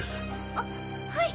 あっはい。